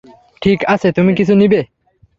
ঠিক আছে, তুমি কিছু নিবে?